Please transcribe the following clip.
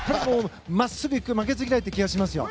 真っすぐ行く負けず嫌いという感じがしますよ。